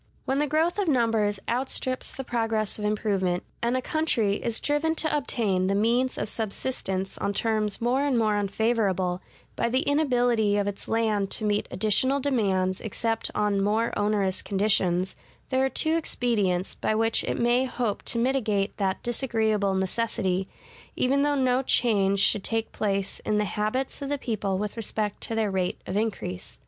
When the growth of numbers outstrips the progress of improvement, and a country is driven to obtain the means of subsistence on terms more and more unfavorable, by the inability of its land to meet additional demands except on more onerous conditions, there are two expedients, by which it may hope to mitigate that disagreeable necessity, even though no change should take place in the habits of the people with respect to their rate of increase.